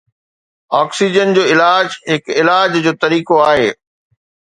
oxygen جو علاج هڪ علاج جو طريقو آهي